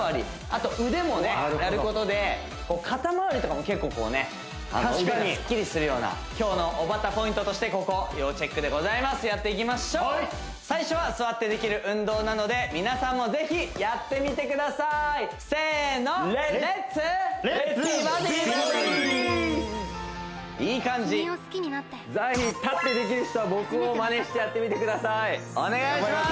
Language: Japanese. あと腕もねやることで肩回りとかも結構こうね腕がすっきりするような今日のおばたポイントとしてここ要チェックでございますやっていきましょう最初は座ってできる運動なので皆さんもぜひやってみてくださいせのいい感じ立ってできる人は僕をまねしてやってみてくださいお願いします！